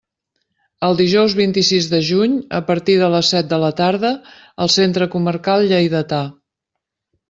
El dijous vint-i-sis de juny a partir de les set de la tarda al Centre Comarcal Lleidatà.